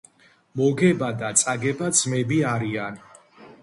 მოგება და წაგება ძმები არიან